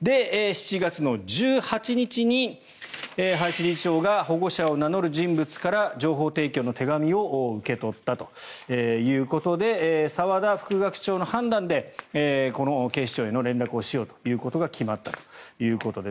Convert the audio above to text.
で、７月の１８日に林理事長が保護者を名乗る人物から情報提供の手紙を受け取ったということで澤田副学長の判断で警視庁への連絡をしようということが決まったということです。